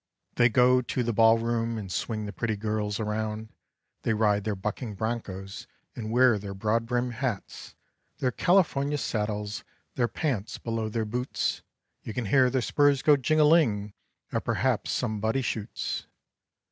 They go to the ball room, and swing the pretty girls around; They ride their bucking broncos, and wear their broad brimmed hats; Their California saddles, their pants below their boots, You can hear their spurs go jing a ling, or perhaps somebody shoots.